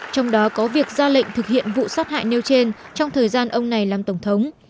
trong đó có việc ra lệnh thực hiện vụ sát hại nêu trên trong thời gian ông này làm tổng thống